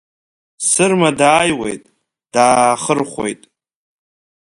Сырма дааиуеит, даахырхәоит.